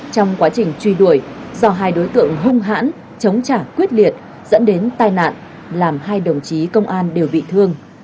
trong quá trình truy đuổi do hai đối tượng hung hãn chống trả quyết liệt dẫn đến tai nạn làm hai đồng chí công an đều bị thương